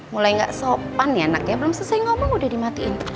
mulai nggak sopan ya anaknya belum selesai ngomong udah dimatiin